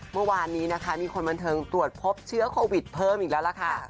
เมื่อวานนี้นะคะมีคนบันเทิงตรวจพบเชื้อโควิดเพิ่มอีกแล้วล่ะค่ะ